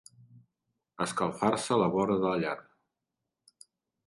Escalfar-se a la vora de la llar.